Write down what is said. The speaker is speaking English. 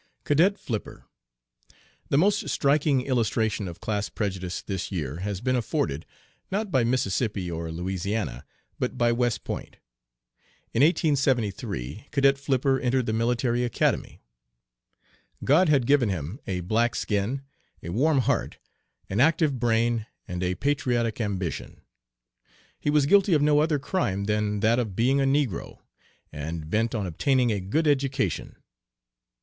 CADET FLIPPER. "The most striking illustration of class prejudice this year has been afforded, not by Mississippi or Louisiana, but by West Point. In 1873 Cadet Flipper entered the Military Academy. God had given him a black skin, a warm heart, an active brain, and a patriotic ambition. He was guilty of no other crime than that of being a negro, and bent on obtaining a good education.